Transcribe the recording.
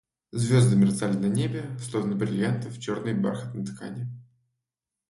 Звезды мерцали на небе, словно бриллианты в черной бархатной ткани.